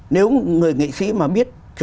nếu người nghệ sĩ mà biết